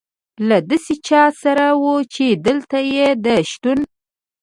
له داسې چا سره وه، چې دلته یې د شتون.